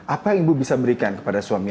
apa yang ibu bisa berikan kepada suami